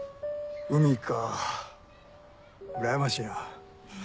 海かうらやましいな。